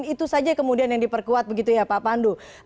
itu saja yang diperkuat pak pandu